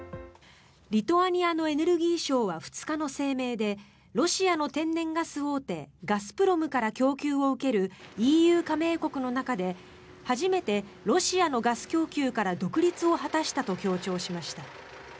リトアニアのエネルギー省は２日の声明でロシアの天然ガス大手ガスプロムから供給を受けるＥＵ加盟国の中で初めてロシアのガス供給から独立を果たしたと強調しました。